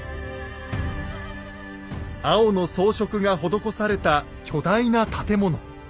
青の装飾が施された巨大な建物。